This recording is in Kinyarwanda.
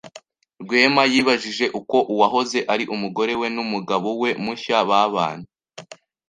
Rwema yibajije uko uwahoze ari umugore we n’umugabo we mushya babanye.